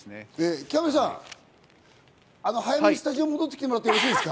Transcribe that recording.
キャンベルさん、早めにスタジオに戻ってきてもらってよろしいですか？